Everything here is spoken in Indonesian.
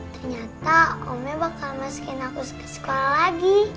ternyata omnya bakal masin aku ke sekolah lagi